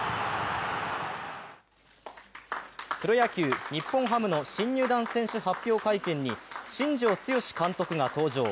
プロ野球、日本ハムの新入団選手発表会見に新庄剛志監督が登場。